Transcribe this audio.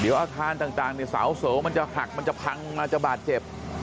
เดี๋ยวอาคารต่างเนี่ยสาวเสาน้ำมันจะหัก